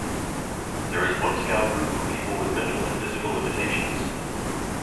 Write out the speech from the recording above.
There is one Scout group for people with mental and physical limitations.